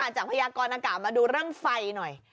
จากพยากรณกะมาดูเรื่องไฟหน่อย